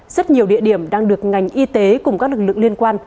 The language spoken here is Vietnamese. rất nhiều địa điểm đang được ngành y tế cùng các lực lượng liên quan